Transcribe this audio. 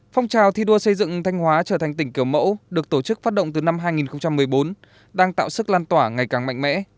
phong trào thi đua xây dựng thanh hóa trở thành tỉnh kiểu mẫu được tổ chức phát động từ năm hai nghìn một mươi bốn đang tạo sức lan tỏa ngày càng mạnh mẽ